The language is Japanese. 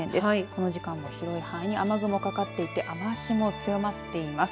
この時間も広い範囲に雨雲がかかっていて雨足が強まっています。